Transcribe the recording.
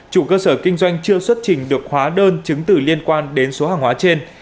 chủ cơ sở kinh doanh chưa xuất trình được hóa đơn chứng từ liên quan đến số hàng hóa trên